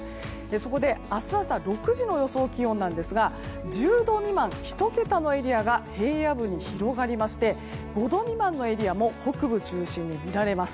そこで、明日朝６時の予想気温ですが１０度未満、１桁のエリアが平野部に広がりまして５度未満のエリアも北部を中心に見られます。